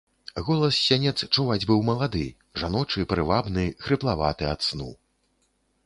Голас з сянец чуваць быў малады, жаночы, прывабны, хрыплаваты ад сну.